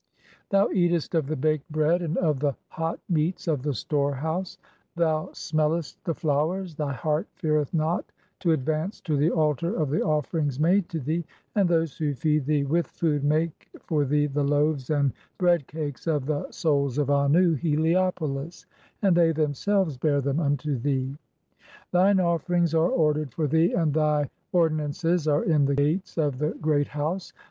Thou eatest of the baked bread "and of the hot meats of the storehouse ; thou (35) smellest "the flowers ; thy heart feareth not [to advance] to the altar of "the offerings made to thee ; and those who feed thee with "food make for thee the loaves and bread cakes of the Souls "of Annu (Heliopolis), (36) and they themselves bear them "unto thee. Thine offerings (?) are ordered for thee, and thy "ordinances are in the gates of the Great House.